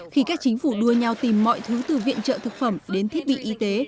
khi các chính phủ đua nhau tìm mọi thứ từ viện trợ thực phẩm đến thiết bị y tế